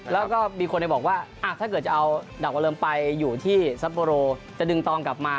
แล้วก็มีคนบอกว่าถ้าเกิดจะเอาดอกบะเริ่มไปอยู่ที่ซัปโบโรจะดึงตองกลับมา